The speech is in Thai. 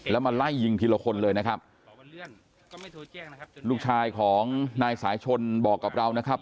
แล้วมาไล่ยิงทีละคนเลยนะครับลูกชายของนายสายชนบอกกับเรานะครับ